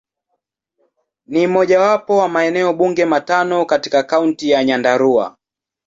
Ni mojawapo wa maeneo bunge matano katika Kaunti ya Nyandarua.